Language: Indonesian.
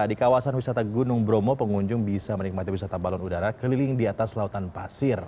di kawasan wisata gunung bromo pengunjung bisa menikmati wisata balon udara keliling di atas lautan pasir